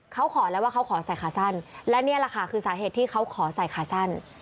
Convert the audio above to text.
เขาขอแล้วว่าเขาขอใส่ขาสั้นและนี่แหละค่ะคือสาเหตุที่เขาขอใส่ขาสั้น